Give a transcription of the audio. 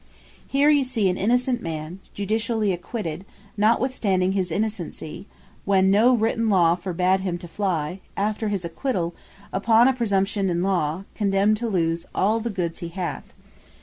Here you see, An Innocent Man, Judicially Acquitted, Notwithstanding His Innocency, (when no written Law forbad him to fly) after his acquitall, Upon A Presumption In Law, condemned to lose all the goods he hath.